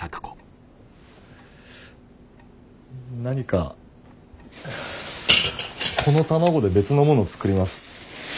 何かこの卵で別のもの作ります。